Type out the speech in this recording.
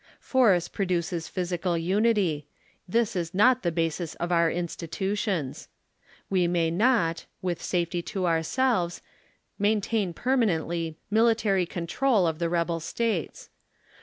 Force produces physical unity; this is not the basis of our institutions. "We may not, with safet}' to ourselves, maintain permanent!}' military control of the rebel States.